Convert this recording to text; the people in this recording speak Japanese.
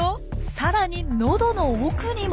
さらに喉の奥にも。